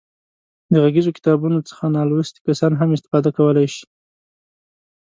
د غږیزو کتابونو څخه نالوستي کسان هم استفاده کولای شي.